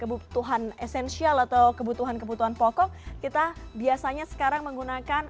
kebutuhan esensial atau kebutuhan kebutuhan pokok kita biasanya sekarang menggunakan